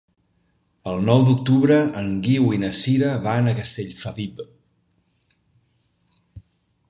El nou d'octubre en Guiu i na Sira van a Castellfabib.